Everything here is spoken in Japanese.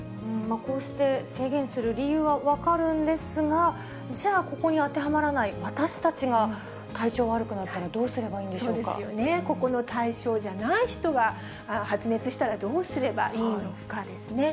こうして制限する理由は分かるんですが、じゃあ、ここに当てはまらない私たちが体調悪くなったら、どうすそうですよね、ここの対象じゃない人は発熱したらどうすればいいのかですね。